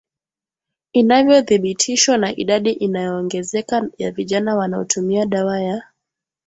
inavyothibitishwa na idadi inayoongezeka ya vijana wanaotumia dawa ya